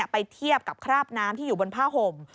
ไปเทียบกับคราบน้ำที่อยู่บนผ้าห่ม